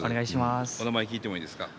お名前、聞いてもいいですか？